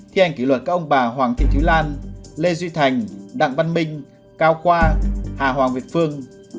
thi hành kỷ luật các ông bà hoàng thị thúy lan lê duy thành đặng văn minh cao khoa hà hoàng việt phương